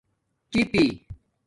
چپئ